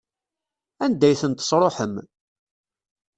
Anda ay tent-tesṛuḥem?